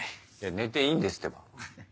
寝ていいんですってば。